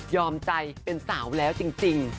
ใจเป็นสาวแล้วจริง